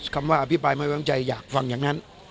คำว่าอภิปรายไม่วางใจอยากฟังอย่างนั้น